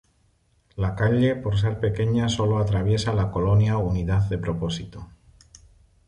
La calle por ser pequeña solo atraviesa la Colonia Unidad de Propósito